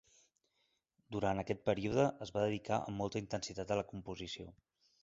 Durant aquest període es va dedicar amb molta intensitat a la composició.